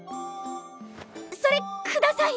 それください！